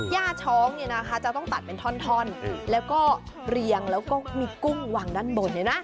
ย่าช้องเนี่ยนะคะจะต้องตัดเป็นท่อนแล้วก็เรียงแล้วก็มีกุ้งวางด้านบนเลยนะ